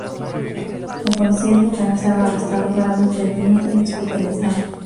La policía dijo que no estaba arrestado, solamente detenido y hospitalizado.